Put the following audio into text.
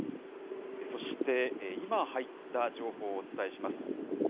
そして今入った情報をお伝えします。